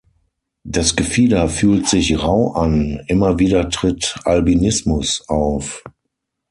Das Gefieder fühlt sich rau an, immer wieder tritt Albinismus auf.